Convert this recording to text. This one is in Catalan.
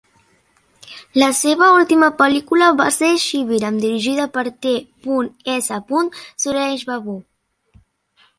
La seva última pel·lícula va ser "Shibiram", dirigida per T. S. Suresh Babu.